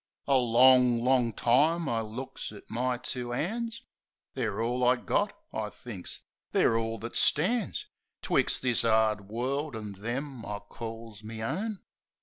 A long, long time I looks at my two 'ands. "They're all I got," I thinks, "they're all that stands Twixt this 'ard world an' them I calls me own.